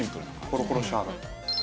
コロコロシャーだ。